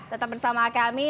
tetap bersama kami